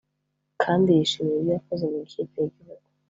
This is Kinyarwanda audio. kandi yishimira ibyo yakoze mu ikipe y’igihugu